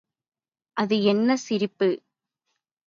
அது என்ன சிரிப்பு?